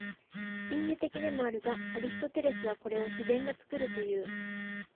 隠喩的でもあるが、アリストテレスはこれを「自然が作る」という。